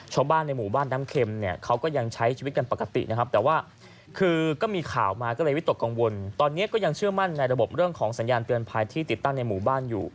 ชาวบ้านในหมู่บ้านน้ำเค็มเนี่ยเขาก็ยังใช้ชีวิตกันปกตินะครับ